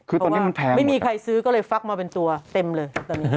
เค้าวะแบบไม่มีใครซื้อแล้วก็ลับมาเป็นตัวเต็มเลย